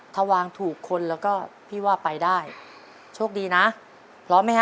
ถ้าวางถูกคนแล้วก็พี่ว่าไปได้โชคดีนะพร้อมไหมฮะ